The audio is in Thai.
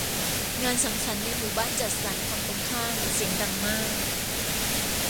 งานสังสรรค์ในหมู่บ้านจัดสรรฝั่งตรงข้ามเสียงดังมาก